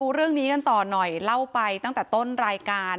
เรื่องนี้กันต่อหน่อยเล่าไปตั้งแต่ต้นรายการ